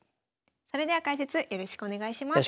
それでは解説よろしくお願いします。